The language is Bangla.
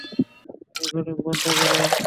রেকর্ডিং বন্ধ কর!